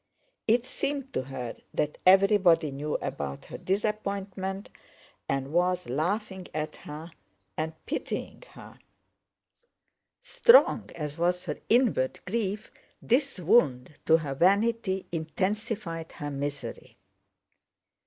It seemed to her that everybody knew about her disappointment and was laughing at her and pitying her. Strong as was her inward grief, this wound to her vanity intensified her misery.